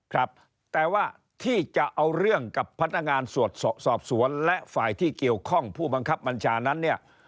ครับแต่ว่าที่จะเอาเรื่องกับพนักงานสอบสวนและฝ่ายที่เกี่ยวข้องผู้บังคับบัญชานั้นเนี่ย